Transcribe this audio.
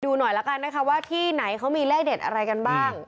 หน่อยละกันนะคะว่าที่ไหนเขามีเลขเด็ดอะไรกันบ้าง